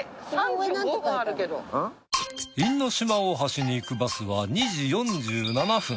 因島大橋に行くバスは２時４７分。